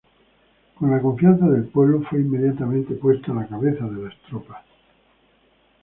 Con la confianza del pueblo, fue inmediatamente puesto a la cabeza de las tropas.